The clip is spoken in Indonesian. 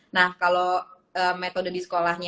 nah kalau metode di sekolahnya